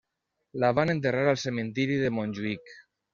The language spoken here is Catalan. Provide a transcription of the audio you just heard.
La van enterrar al Cementiri de Montjuïc.